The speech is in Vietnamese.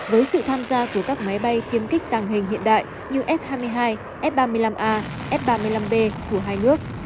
với sự tham gia của các máy bay kiếm kích tàng hình hiện đại như f hai mươi hai f ba mươi năm a f ba mươi năm b của hai nước